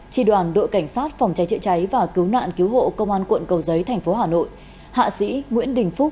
tri đoàn đội cảnh sát phòng cháy chữa cháy và cứu nạn cứu hộ công an quận cầu giấy thành phố hà nội